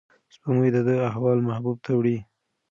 سپوږمۍ د ده احوال محبوب ته وړي.